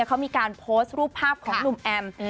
เค้ามีการโพสต์รูปภาพของลุมอ้ำ